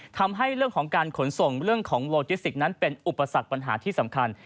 ทำให้เรื่องของการขนส่งเรื่องของโลจิสติกนั้นเป็นอุปสรรคปัญหาที่สำคัญ